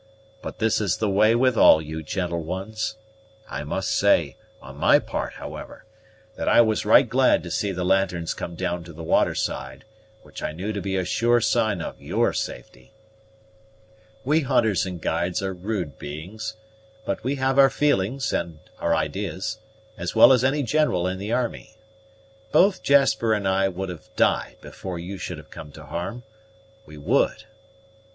but this is the way with all you gentle ones. I must say, on my part, however, that I was right glad to see the lanterns come down to the waterside, which I knew to be a sure sign of your safety. We hunters and guides are rude beings; but we have our feelings and our idees, as well as any general in the army. Both Jasper and I would have died before you should have come to harm we would."